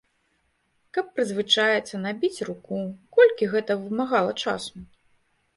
Каб прызвычаіцца, набіць руку, колькі гэта вымагала часу?!